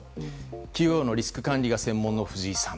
企業のリスクが管理が専門の藤井さん。